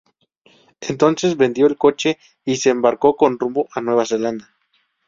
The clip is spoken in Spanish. Entonces, vendió el coche y se embarcó con rumbo a Nueva Zelanda.